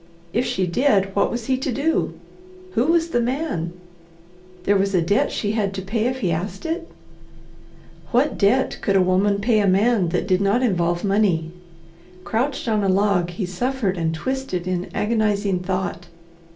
If she did, what was he to do? Who was the man? There was a debt she had to pay if he asked it? What debt could a woman pay a man that did not involve money? Crouched on a log he suffered and twisted in agonizing thought.